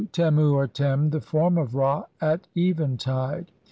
Temu or Tem, the form of Ra at eventide.